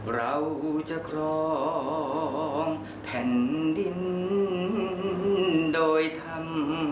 เราจะครองแผ่นดินโดยธรรม